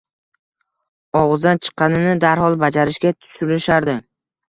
Og‘zidan chiqqanini darhol bajarishga tirishardi.